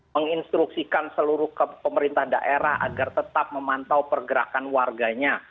menginstruksikan seluruh pemerintah daerah agar tetap memantau pergerakan warganya